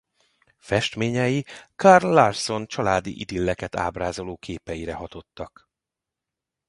Festményei Carl Larsson családi idilleket ábrázoló képeire hatottak.